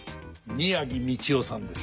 宮城道雄さんです。